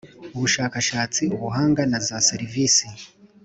ubushakashatsi, ubuhanga na za serivisi